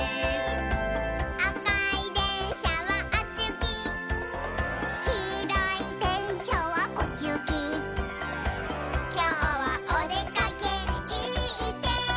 「あかいでんしゃはあっちゆき」「きいろいでんしゃはこっちゆき」「きょうはおでかけいいてんき」